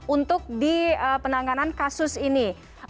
untuk di penanganan kasus ini